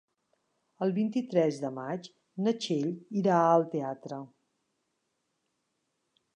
El vint-i-tres de maig na Txell irà al teatre.